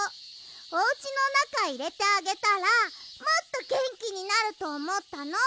おうちのなかいれてあげたらもっとげんきになるとおもったの。